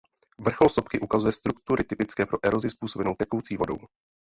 Vrchol sopky ukazuje struktury typické pro erozi způsobenou tekoucí vodou.